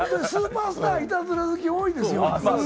スーパースターはいたずら好き多いですよ。